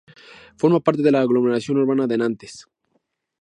Forma parte de la aglomeración urbana de Nantes.